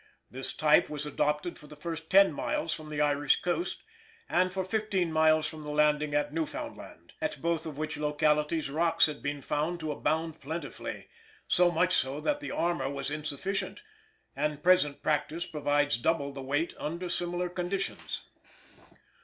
This type was adopted for the first ten miles from the Irish coast, and for fifteen miles from the landing at Newfoundland, at both of which localities rocks had been found to abound plentifully so much so that the armor was insufficient, and present practise provides double the weight under similar conditions.